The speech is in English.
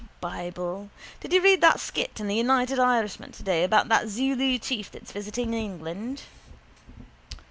The bible! Did you read that skit in the United Irishman today about that Zulu chief that's visiting England?